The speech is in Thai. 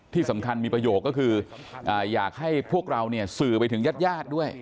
ที่สำคัญมีประโยคก็คืออยากให้พวกเราเนี่ยสื่อไปถึงญาติญาติด้วย